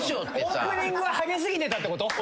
オープニングがハゲすぎてたってこと？